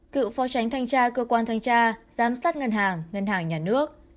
cựu phó tránh thanh tra cơ quan thanh tra giám sát ngân hàng ngân hàng nhà nước